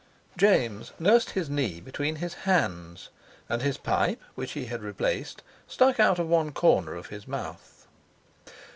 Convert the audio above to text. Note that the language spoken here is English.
James nursed his knee between his hands, and his pipe, which he had replaced, stuck out of one corner of his mouth.